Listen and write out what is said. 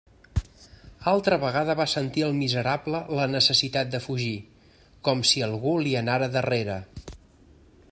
Altra vegada va sentir el miserable la necessitat de fugir, com si algú li anara darrere.